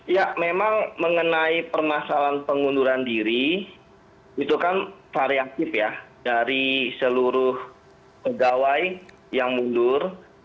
ya memang mengenai permasalahan pengunduran diri itu kan variatif ya dari seluruh pegawai yang mundur